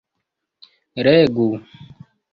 legu